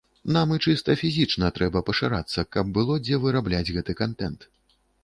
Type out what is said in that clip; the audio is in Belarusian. Нам і чыста фізічна трэба пашырацца, каб было дзе вырабляць гэты кантэнт.